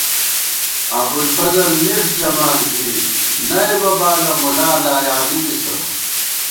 ابُوالفضل نِݭ ژَمان ژِی نَئیبہ بالہ مُلا لایعنی بِسہ